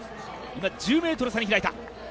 今、１０ｍ差に開いた。